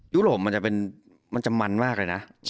โรปมันจะมันมากเลยนะ